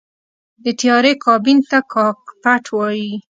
د طیارې کابین ته “کاکپټ” وایي.